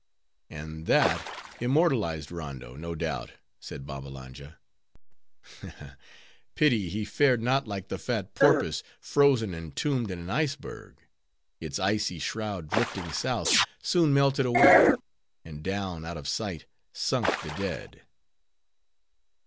"And that immortalized Rondo, no doubt," said Babbalanja. "Ha! ha! pity he fared not like the fat porpoise frozen and tombed in an iceberg; its icy shroud drifting south, soon melted away, and down, out of sight, sunk the dead."